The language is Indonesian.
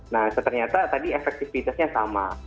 nah ternyata tadi efektivitasnya sama